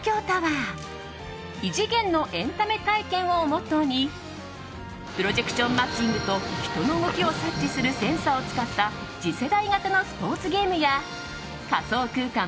「異次元の、エンタメ体験を。」をモットーにプロジェクションマッピングと人の動きを察知するセンサーを使った次世代型のスポーツゲームや仮想空間